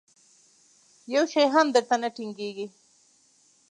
یو شی هم در ته نه ټینګېږي.